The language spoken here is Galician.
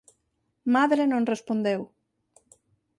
Madre non respondeu.